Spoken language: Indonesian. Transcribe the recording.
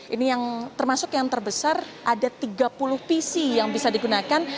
ini yang termasuk yang terbesar ada tiga puluh pc yang bisa digunakan